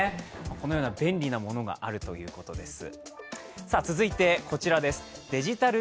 このような便利なものがあるということです。